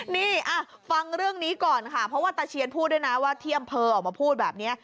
นี่ฟังเรื่องนี้ก่อนค่ะเพราะว่าตาเชียนพูดด้วยนะว่าที่อำเภอออกมาพูดแบบนี้